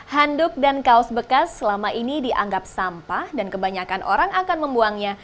handuk dan kaos bekas selama ini dianggap sampah dan kebanyakan orang akan membuangnya